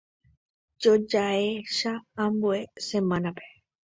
Jajoecha ambue semana-pe.